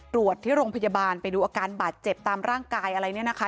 ตรวจที่โรงพยาบาลไปดูอาการบาดเจ็บตามร่างกายอะไรเนี่ยนะคะ